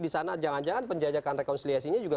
di sana jangan jangan penjajakan rekonsiliasinya juga